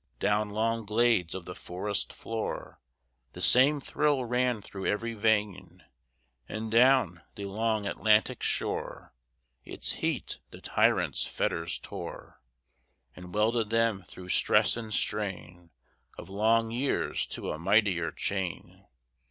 Down long glades of the forest floor The same thrill ran through every vein, And down the long Atlantic's shore; Its heat the tyrant's fetters tore And welded them through stress and strain Of long years to a mightier chain.